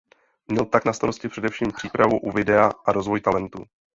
Měl tak na starosti především přípravu u videa a rozvoj talentů.